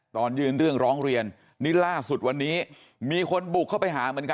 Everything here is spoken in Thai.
ตอนยื่นเรื่องร้องเรียนนี่ล่าสุดวันนี้มีคนบุกเข้าไปหาเหมือนกัน